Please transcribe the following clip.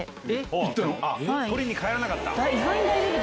取りに帰らなかった！